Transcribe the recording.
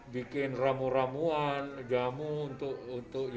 bikin ramuan ramuan jamu untuk ya ya